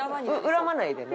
恨まないでね。